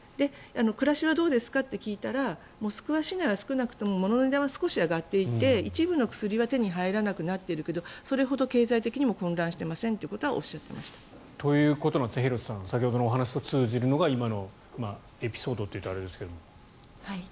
暮らしはどうですかと聞いたらモスクワ市内は、少なくとも物の値段は少し上がっていて一部の薬は手に入らなくなっているけどそれほど経済的にも混乱していませんということはということで廣瀬さん先ほどのお話と通じるのが今のエピソードというとあれですが。